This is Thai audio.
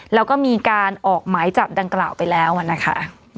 แล้วก็มีการออกหมายจับดังกล่าวไปแล้วนะคะ